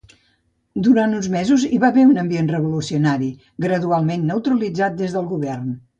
Durant uns mesos hi va haver un ambient revolucionari, gradualment neutralitzat des del govern.